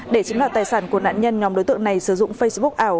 để chiếm đoạt tài sản của nạn nhân nhóm đối tượng này sử dụng facebook ảo